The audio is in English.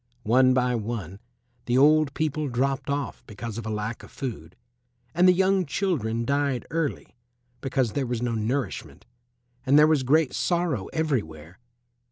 One by one the old people dropped off because of a lack of food, and the young children died early because there was no nourishment, and there was great sorrow everywhere.